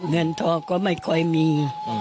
เงินทองก็ไม่ค่อยมี